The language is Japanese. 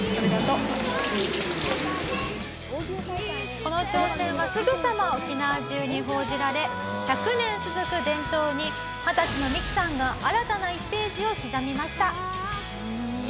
この挑戦はすぐさま沖縄中に報じられ１００年続く伝統に二十歳のミキさんが新たな１ページを刻みました。